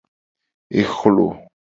Ehlo.